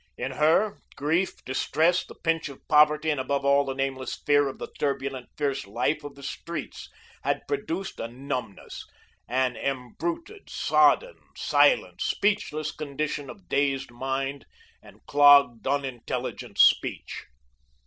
In her, grief, distress, the pinch of poverty, and, above all, the nameless fear of the turbulent, fierce life of the streets, had produced a numbness, an embruted, sodden, silent, speechless condition of dazed mind, and clogged, unintelligent speech.